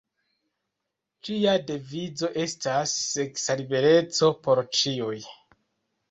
Ĝia devizo estas "seksa libereco por ĉiuj".